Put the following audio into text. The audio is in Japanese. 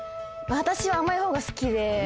私は甘い方が好きで。